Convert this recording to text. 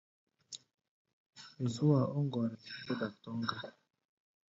Zú-a ɔ́ ŋgɔrɛɛ héé dak tɔ́ŋ gá.